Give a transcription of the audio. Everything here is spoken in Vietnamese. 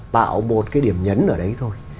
tạo một cái điểm nhấn ở đấy thôi